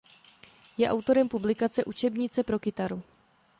Je autorem publikace "Učebnice pro kytaru".